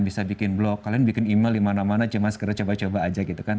bisa bikin blog kalian bisa bikin email di mana mana jemaah sekere coba coba aja gitu kan